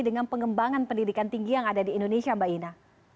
dengan pengembangan pendidikan tinggi yang ada di indonesia mbak ina